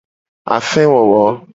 Afewowo.